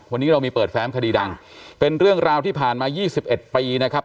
วันนี้เรามีเปิดแฟ้มคดีดังเป็นเรื่องราวที่ผ่านมา๒๑ปีนะครับ